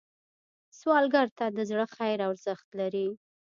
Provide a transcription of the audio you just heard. سوالګر ته د زړه خیر ارزښت لري